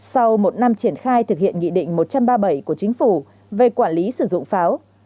sau một năm triển khai thực hiện nghị định một trăm ba mươi bảy của chính phủ về quản lý sử dụng pháo